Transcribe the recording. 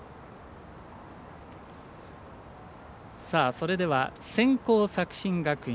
それでは、先攻、作新学院。